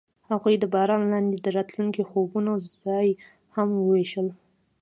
هغوی د باران لاندې د راتلونکي خوبونه یوځای هم وویشل.